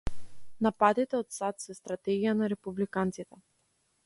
Нападите од САД се стратегија на републиканците